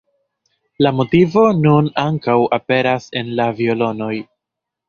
La motivo nun ankaŭ aperas en la violonoj.